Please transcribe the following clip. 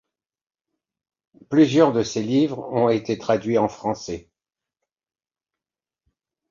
Plusieurs de ces livres ont été traduits en français.